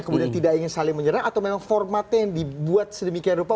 kemudian tidak ingin saling menyerang atau memang formatnya yang dibuat sedemikian rupa